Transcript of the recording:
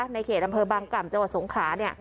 ในเขตอำเภอบางกล่ำจังหวัดสงขลาเนี่ย